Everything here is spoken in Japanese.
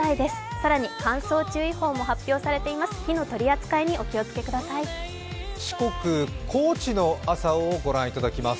更に乾燥注意報も発表されています。